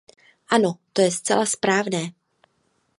Ano, to je zcela správné.